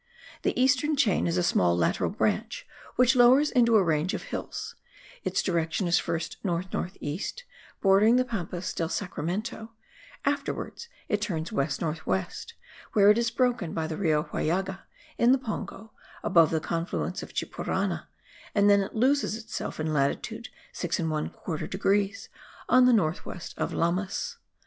The eastern chain is a small lateral branch which lowers into a range of hills: its direction is first north north east, bordering the Pampas del Sacramento, afterwards it turns west north west, where it is broken by the Rio Huallaga, in the Pongo, above the confluence of Chipurana, and then it loses itself in latitude 6 1/4 degrees, on the north west of Lamas.